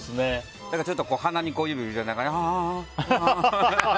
だからちょっと鼻に指当てながら。